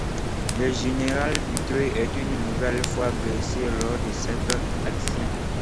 Le général Butler est une nouvelle fois blessé lors de cette action.